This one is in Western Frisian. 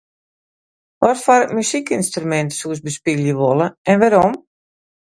Watfoar muzykynstrumint soest bespylje wolle en wêrom?